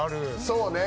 そうね。